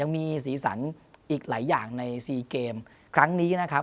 มีสีสันอีกหลายอย่างใน๔เกมครั้งนี้นะครับ